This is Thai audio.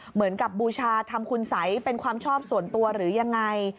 บูชาทำคุณสัยเป็นความชอบส่วนตัวหรือยังไง